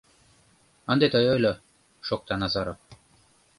— Ынде тый ойло, — шокта Назаров.